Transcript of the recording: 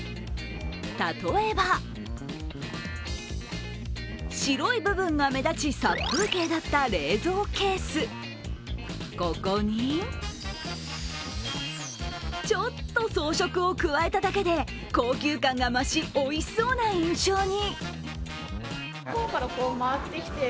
例えば、白い部分が目立ち、殺風景だった冷蔵ケース、ここにちょっと装飾を加えただけで高級感が増し、おいしそうな印象に。